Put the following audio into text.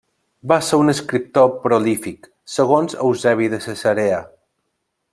Va ser un escriptor prolífic, segons Eusebi de Cesarea.